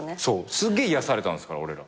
すっげえ癒やされたんすから俺ら。